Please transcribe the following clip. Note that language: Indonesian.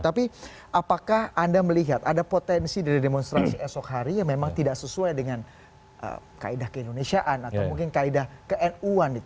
tapi apakah anda melihat ada potensi dari demonstrasi esok hari yang memang tidak sesuai dengan kaedah keindonesiaan atau mungkin kaedah ke nuan